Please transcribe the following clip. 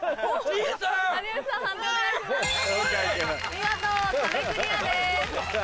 見事壁クリアです。